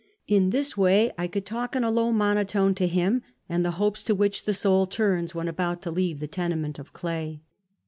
In this way I could talk in a low monotone to him, and the hopes to which the soul turns when about to leave the tenement of clay.